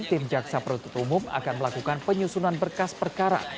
tim jaksa penuntut umum akan melakukan penyusunan berkas perkara